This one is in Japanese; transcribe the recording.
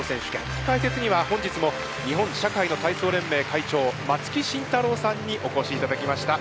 解説には本日も日本社会の体操連盟会長松木慎太郎さんにおこしいただきました。